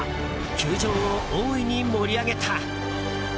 球場を大いに盛り上げた。